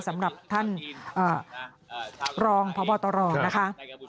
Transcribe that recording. สำหรับท่านรองพบตรนะคะ